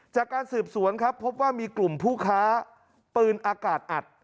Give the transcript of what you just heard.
จากการสืบสวนครับพบว่ามีกลุ่มผู้ค้าปืนอากาศอัด